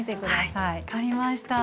はい分かりました。